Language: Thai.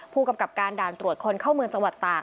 ผู้กรรมกรรมการด่านร่วมตรวจคนที่เข้ามือนจังหวัดตาก